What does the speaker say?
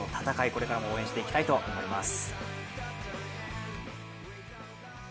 これからも応援していきたいと思います。